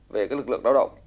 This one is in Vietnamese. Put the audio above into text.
về cái lực lượng lao động